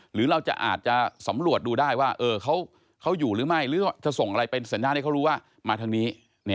หรือเราจะอาจจะสำรวจดูได้ว่าเขาอยู่หรือไม่หรือจะส่งอะไรเป็นสัญญาณให้เขารู้ว่ามาทางนี้